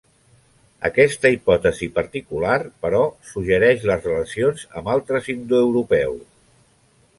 Aquesta hipòtesi particular, però, suggereix la relaciona amb altres indoeuropeus.